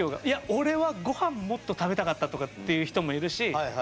いや俺はごはんもっと食べたかったとかっていう人もいるし。